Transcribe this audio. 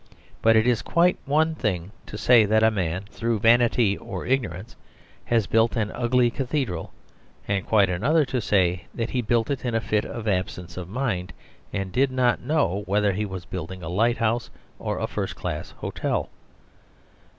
But it is one thing to say that a man through vanity or ignorance has built an ugly cathedral, and quite another to say that he built it in a fit of absence of mind, and did not know whether he was building a lighthouse or a first class hotel.